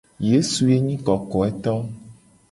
Yesu ye nyi kokoeto.